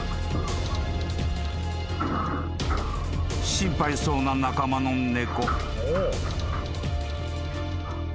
［心配そうな仲間の猫］